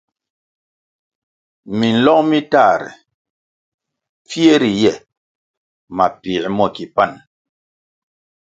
Minlong mi tahre, mpfie ri ye mapiē mo ki pan.